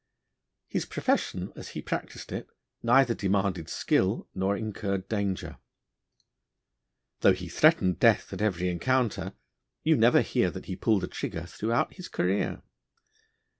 His profession, as he practised it, neither demanded skill nor incurred danger. Though he threatened death at every encounter, you never hear that he pulled a trigger throughout his career.